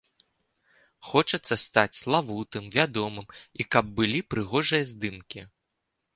Хочацца стаць славутым, вядомым і каб былі прыгожыя здымкі.